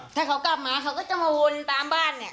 ถ้าเขากลับมาเขาก็จะมาวนตามบ้านเนี่ย